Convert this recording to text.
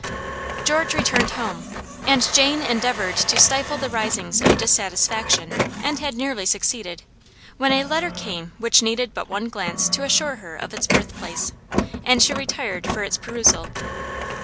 George returned home, and Jane endeavored to stifle the risings of dissatisfaction, and had nearly succeeded, when a letter came which needed but one glance to assure her of its birthplace; and she retired for its perusal.